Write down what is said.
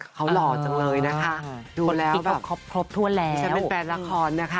เขาหล่อจังเลยนะคะดูแล้วแบบเป็นแฟนละครนะคะ